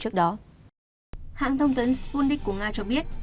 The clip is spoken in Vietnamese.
hãng thông tấn sputnik của nga cho biết